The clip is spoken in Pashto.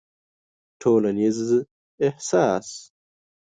ټولنيز احساس